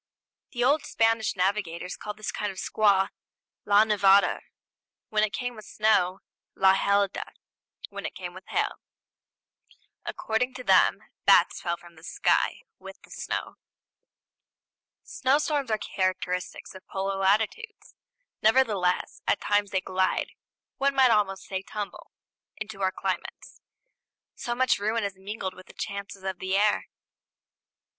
" The old Spanish navigators called this kind of squall la nevada, when it came with snow; la helada, when it came with hail. According to them, bats fell from the sky, with the snow. Snowstorms are characteristic of polar latitudes; nevertheless, at times they glide one might almost say tumble into our climates; so much ruin is mingled with the chances of the air.